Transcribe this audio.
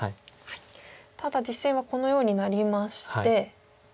ただ実戦はこのようになりまして。